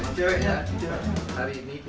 ada dj teman teman